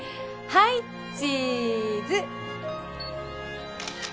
はいチーズ！